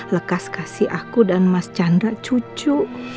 lekas kasih aku dan mas chandra cucu